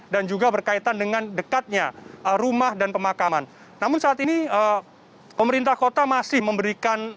dan juga berkaitan dengan dekatnya rumah dan pemakaman namun saat ini pemerintah kota masih memberikan